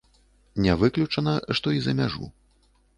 Не выключана, што і за мяжу.